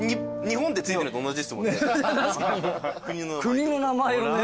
国の名前をね。